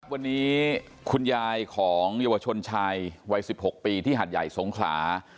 วันนี้คุณยายของเยาวชนชายวัย๑๖ปีที่หัดใหญ่สงขลา